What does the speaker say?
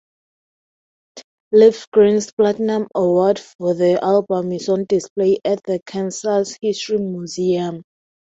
Livgren's platinum award for the album is on display at the Kansas History Museum.